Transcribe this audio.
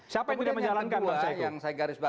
siapa yang menjalankan bang syaiq